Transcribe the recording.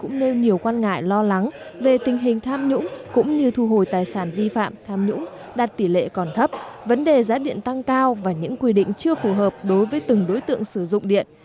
cũng nêu nhiều quan ngại lo lắng về tình hình tham nhũng cũng như thu hồi tài sản vi phạm tham nhũng đạt tỷ lệ còn thấp vấn đề giá điện tăng cao và những quy định chưa phù hợp đối với từng đối tượng sử dụng điện